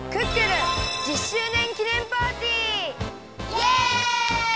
イエイ！